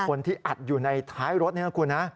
คนที่อัดอยู่ในท้ายรถนี่นะคุณนะ